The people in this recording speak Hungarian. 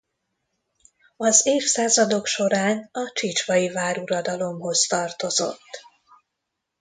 Az évszázadok során a csicsvai váruradalomhoz tartozott.